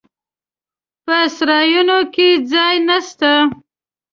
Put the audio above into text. په سرایونو کې ځای نسته.